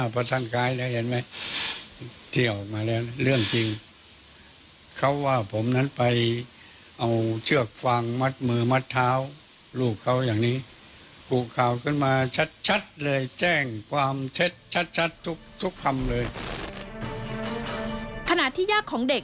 ขณะที่ยากของเด็กยิง